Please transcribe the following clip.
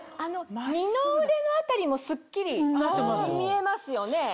二の腕の辺りもスッキリ見えますよね。